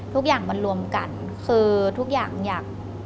ทุกอย่างมันรวมกันคือทุกอย่างอยาก